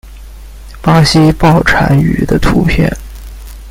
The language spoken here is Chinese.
巴西豹蟾鱼的图片